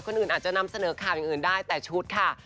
อื่นอาจจะนำเสนอข่าวอย่างอื่นได้แต่ชุดค่ะ